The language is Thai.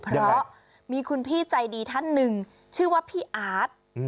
เพราะมีคุณพี่ใจดีท่านหนึ่งชื่อว่าพี่อาร์ต